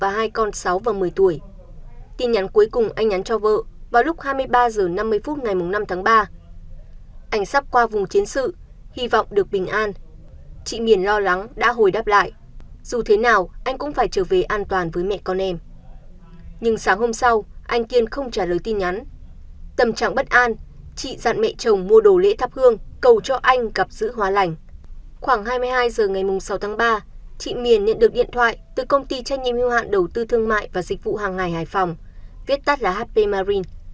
hôm sáu tháng ba chị miền nhận được điện thoại từ công ty trách nhiệm hưu hạn đầu tư thương mại và dịch vụ hàng ngày hải phòng viết tắt là hp marine